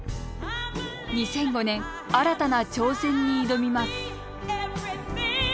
２００５年新たな挑戦に挑みます。